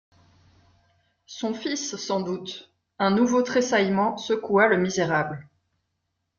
Son fils sans doute ! Un nouveau tressaillement secoua le misérable.